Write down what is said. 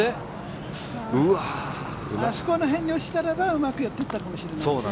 あそこら辺に落ちたらばうまく寄っていったかもしれないですね。